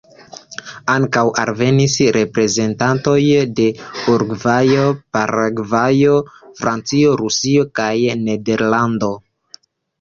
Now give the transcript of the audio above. Ankaŭ alvenis reprezentantoj de Urugvajo, Paragvajo, Francio, Rusio kaj Nederlando.